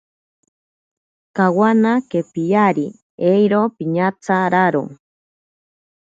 Kawana kepiyari ero piñatsararo.